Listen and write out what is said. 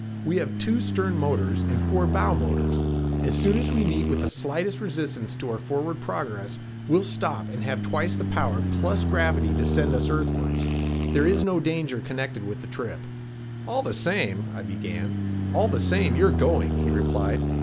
We have two stern motors and four bow motors. As soon as we meet with the slightest resistance to our forward progress we will stop and have twice the power plus gravity to send us earthwards. There is no danger connected with the trip." "All the same " I began. "All the same, you're going," he replied.